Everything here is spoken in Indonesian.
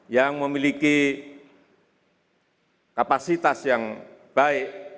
yang memiliki kapasitas yang baik